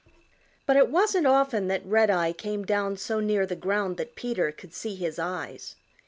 But it wasn't often that Redeye came down so near the ground that Peter could see his eyes.